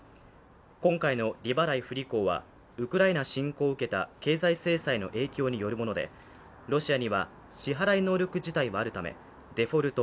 今回の利払い不履行はウクライナ侵攻を受けた経済制裁の影響によるもので、ロシアには、支払い能力自体はあるためデフォルト＝